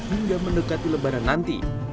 hingga mendekati lebaran nanti